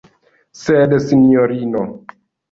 Sed, sinjorino.